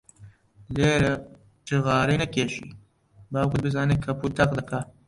لێرە جغارەی نەکێشی، باوکت بزانێ کەپووت داغ دەکا.